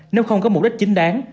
nếu không có mục đích chính đáng